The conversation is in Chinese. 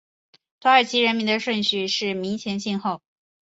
土耳其人名的顺序是名前姓后。